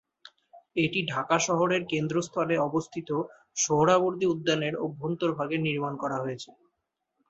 এটি ঢাকা শহরের কেন্দ্রস্থলে অবস্থিত সোহরাওয়ার্দী উদ্যানের অভ্যন্তরভাগে নির্মাণ করা হয়েছে।